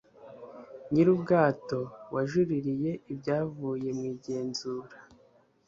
nyirubwato wajuririye ibyavuye mu igenzura